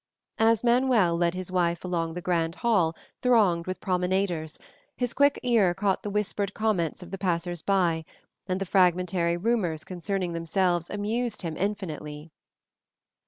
As Manuel led his wife along the grand hall thronged with promenaders, his quick ear caught the whispered comments of the passers by, and the fragmentary rumors concerning themselves amused him infinitely.